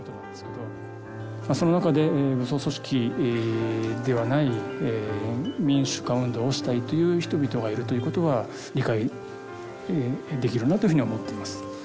その中で武装組織ではない民主化運動をしたいという人々がいるということは理解できるなというふうには思っています。